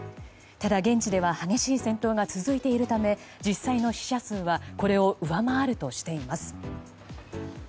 ただ、現地では激しい戦闘が続いているため実際の死者数はこれを上回るとしています。